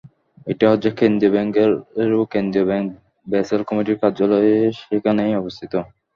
এটা হচ্ছে কেন্দ্রীয় ব্যাংকেরও কেন্দ্রীয় ব্যাংক, ব্যাসেল কমিটির কার্যালয় সেখানেই অবস্থিত।